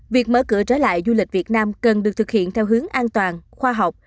việc mở cửa trở lại du lịch việt nam cần được thực hiện theo hướng an toàn khoa học